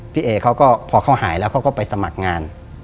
พี่เอเขาก็พอเขาหายแล้วเขาก็ไปสมัครงาน